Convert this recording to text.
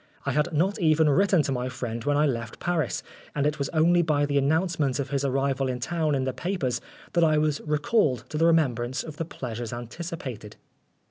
I had not even written to my friend when I left Paris, and it was only by the announcement of his arrival in town in the papers that I was recalled to the remem brance of the pleasures anticipated.